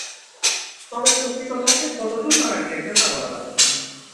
তবে প্রকৃতপক্ষে কত জন মারা গিয়েছেন তা বলা যাচ্ছে না।